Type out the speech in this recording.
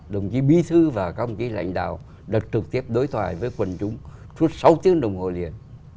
đồng chí bí thư và các ông chí lãnh đạo đã trực tiếp đối thoại với quần chúng suốt sáu tiếng đồng hồ liền